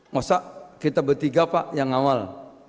masa kita bertiga pak yang awal